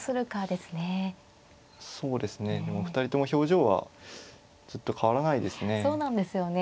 でもお二人とも表情はずっと変わらないですね。